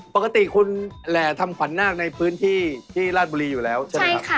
ปกติคุณแหล่ทำขวัญนาคในพื้นที่ที่ราชบุรีอยู่แล้วใช่ไหมครับ